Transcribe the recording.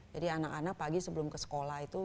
jadi anak anak pagi sebelum ke sekolah itu